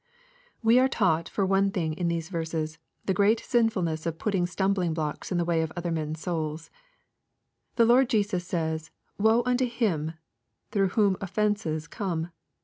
We are taught for one thing in these verses, the great sinfulness of putting stumbling blocks in the way of other men's souls. The Lord Jesus says, " Woe unto him through whom offences come